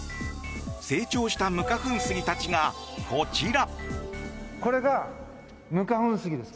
成長した無花粉スギたちがこちら。